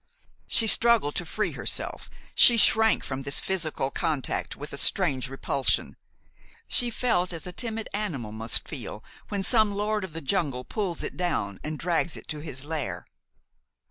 She struggled to free herself. She shrank from this physical contact with a strange repulsion. She felt as a timid animal must feel when some lord of the jungle pulls it down and drags it to his lair.